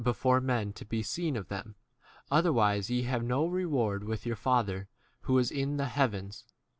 before men to be seen of them, otherwise ye have no reward with your Father who [is] in the hea 2 vens.